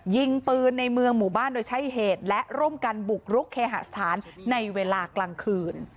ยิงปืนในเมืองหมู่บ้านโดยใช้เหตุและร่วมกันบุกรุกเคหสถานในเวลากลางคืน